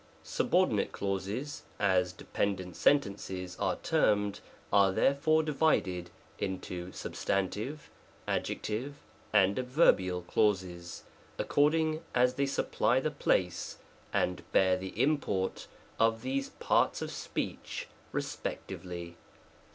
Subordinate clauses, as dependent sentences are termed, are therefore divided into substantive, adjec tive and adverbial clauses — according as they supply the place and bear the import of these parts of speech respectively.